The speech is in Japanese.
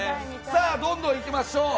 どんどんいきましょう。